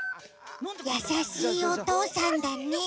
やさしいおとうさんだね。